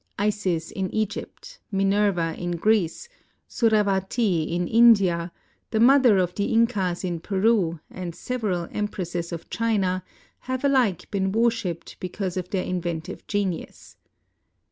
Isis in Egypt, Minerva in Greece, Surawati in India, the mother of the Incas in Peru, and several empresses of China, WOMAN AS AN INVENTOR. 479 have alike been worshiped because of their inventive genius.